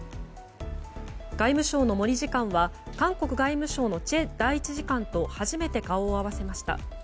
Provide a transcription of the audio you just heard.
外務省の森次官は韓国外務省のチェ第一次官と初めて顔を合わせました。